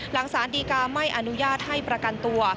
สารดีกาไม่อนุญาตให้ประกันตัว